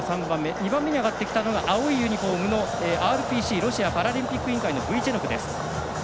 ２番目に上がってきたのが青いユニホームのＲＰＣ＝ロシアパラリンピック委員会のブィチェノクです。